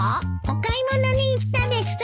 お買い物に行ったです。